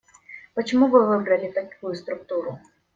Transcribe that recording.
Почему вы выбрали такую структуру?